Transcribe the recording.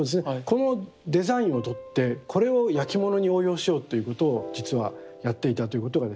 このデザインをとってこれをやきものに応用しようということを実はやっていたということがですね